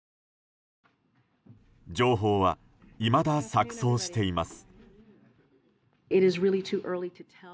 情報はいまだ錯綜しています。